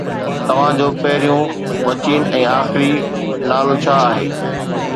توهان جو پهريون، وچين ۽ آخري نالو ڇا آهي؟